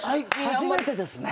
初めてですね。